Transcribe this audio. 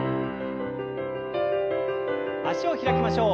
脚を開きましょう。